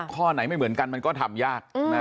ข้อไหนไม่เหมือนกันมันก็ทำยาก